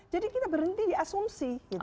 jadi kita berhenti di asumsi